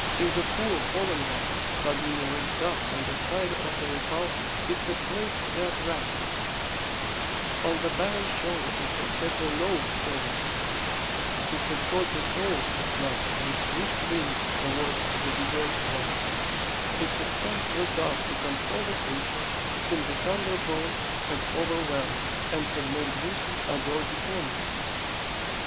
In the poor fallen one, suddenly raised up, by the side of the repulsive, it had placed the attractive; on the barren shoal it had set the loadstone; it had caused a soul to fly with swift wings towards the deserted one; it had sent the dove to console the creature whom the thunderbolt had overwhelmed, and had made beauty adore deformity.